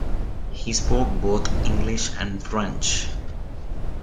He spoke both English and French.